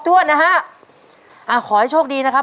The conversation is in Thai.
ต้นไม้ประจำจังหวัดระยองการครับ